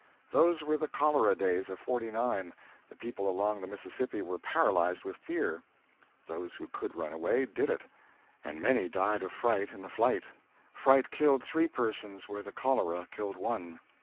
Those were the cholera days of '49. The people along the Mississippi were paralyzed with fright. Those who could run away, did it. And many died of fright in the flight. Fright killed three persons where the cholera killed one.